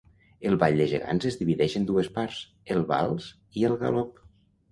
El ball de gegants es divideix en dues parts, el vals i el galop.